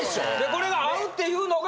これが合うっていうのが。